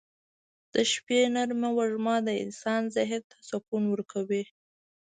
د شپې نرۍ وږمه د انسان ذهن ته سکون ورکوي.